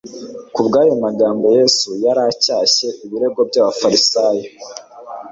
Kubw'ayo magambo, Yesu yari acyashye ibirego by'abafarisayo.